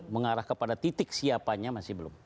mengarah kepada titik siapanya masih belum